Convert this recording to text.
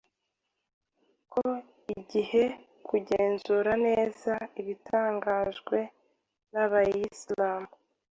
ko igihe kugenzura neza ibyatangajwe n’abayislam.